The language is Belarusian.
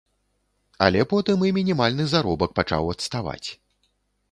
Але потым і мінімальны заробак пачаў адставаць.